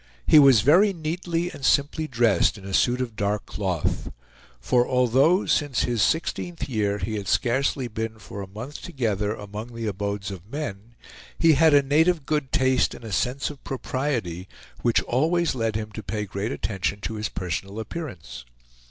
He was very neatly and simply dressed in a suit of dark cloth; for although, since his sixteenth year, he had scarcely been for a month together among the abodes of men, he had a native good taste and a sense of propriety which always led him to pay great attention to his personal appearance.